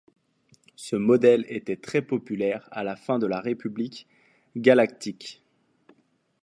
Ce modèle était très populaire à la fin de la République galactique.